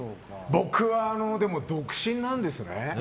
僕は独身なんですね。